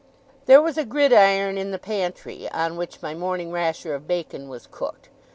There was a gridiron in the pantry, on which my morning rasher of bacon was cooked.